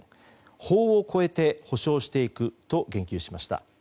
法を超えて補償していくと言及しました。